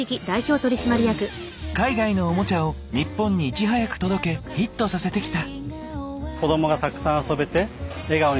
海外のオモチャを日本にいち早く届けヒットさせてきた。